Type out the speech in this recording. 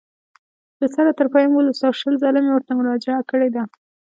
له سره تر پایه مې ولوست او شل ځله مې ورته مراجعه کړې ده.